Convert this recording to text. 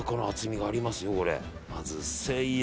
まず１，０００円。